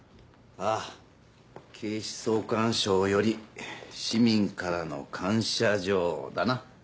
あぁ警視総監賞より市民からの感謝状だな。